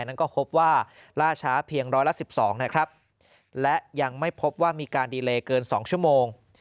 และนั้นก็พบว่าล่าช้าเพียง๑๑๒และยังไม่พบว่ามีการดีเลยเกิน๒ชั่วโมง